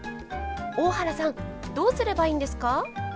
大原さんどうすればいいんですか？